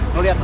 lo liat tuh